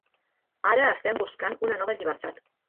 Ara estem buscant una nova llibertat.